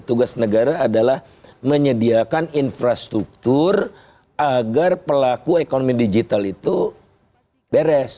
tugas negara adalah menyediakan infrastruktur agar pelaku ekonomi digital itu beres